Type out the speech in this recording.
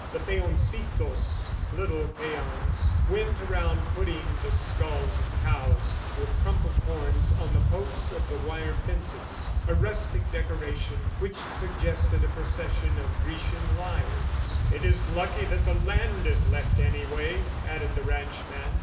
The peoncitos (little peons) went around putting the skulls of cows with crumpled horns on the posts of the wire fences a rustic decoration which suggested a procession of Grecian lyres. "It is lucky that the land is left, anyway!" added the ranchman.